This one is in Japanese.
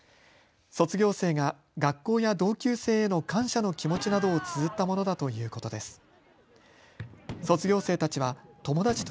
卒業生が学校や同級生への感謝の気持ちなどをつづったものだということです。